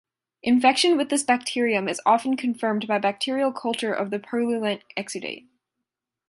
Infection with this bacterium is often confirmed by bacterial culture of the purulent exudate.